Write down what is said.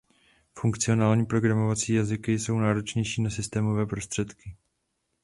Funkcionální programovací jazyky jsou náročnější na systémové prostředky.